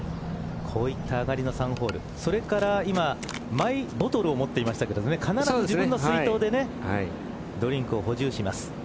こういった上がりの３ホールそれから今マイボトルを持っていましたけど必ず自分の水筒でドリンクを補充します。